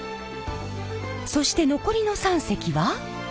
そして残りの３隻は。